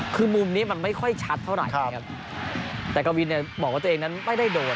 คือมุมนี้มันไม่ค่อยชัดเท่าไหร่นะครับแต่กวินเนี่ยบอกว่าตัวเองนั้นไม่ได้โดน